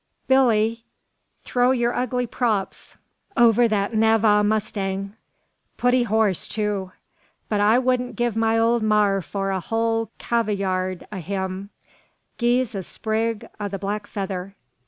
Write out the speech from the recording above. Billee! throw your ugly props over that Navagh mustang. Putty hoss too; but I wudn't giv my old mar for a hul cavayard o' him. Gi's a sprig o' the black feather."